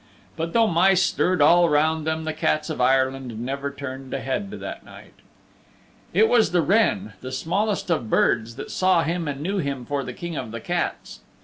But though mice stirred all round them the cats of Ireland never turned a head that night. It was the wren, the smallest of birds, that saw him and knew him for the King of the Cats.